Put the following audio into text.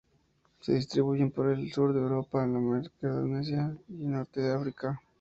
Se distribuyen por el sur de Europa, la Macaronesia y el norte de África.